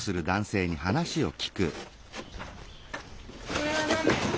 これは何ですか？